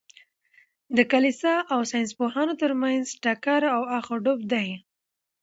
د کلیسا او ساینس پوهانو تر منځ ټکر او اخ و ډب دئ.